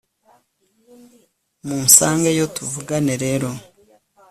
munsangeyo tuvugane rero